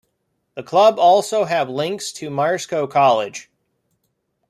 The club also have links to Myerscough College.